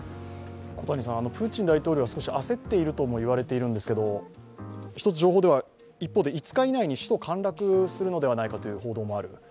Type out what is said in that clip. プーチン大統領は少し焦っているともいわれているんですけれども１つ情報では、一方で５日以内に首都陥落するのではないかという情報もある。